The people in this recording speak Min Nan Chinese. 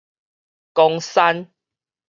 岡山